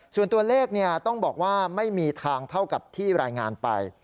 ส่วนตัวเลขต้องบอกว่าไม่มีทางเท่ากับที่รายงานไป